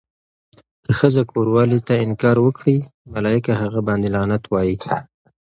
که ښځه کوروالې ته انکار وکړي، ملايکه هغه باندې لعنت وایی.